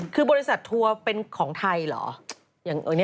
คือบริษัททัวร์เป็นของไทยเหรอ